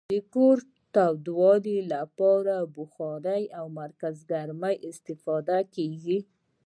د کور تودولو لپاره له بخارۍ او مرکزګرمي استفاده کیږي.